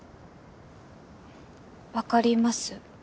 わかります？